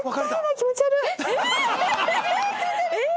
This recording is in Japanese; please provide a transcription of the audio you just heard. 気持ち悪っ！